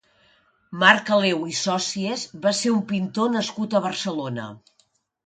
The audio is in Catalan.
Marc Aleu i Socies va ser un pintor nascut a Barcelona.